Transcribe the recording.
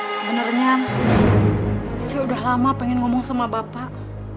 sebenernya saya udah lama pengen ngomong sama bapak